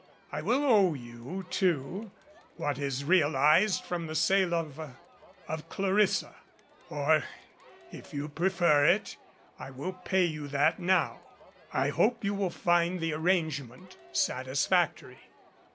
I will owe you, too what is realized from the sale of of Clarissa. Or, if you pre fer it, I will pay you that now. I hope you will find the arrangement satisfactory."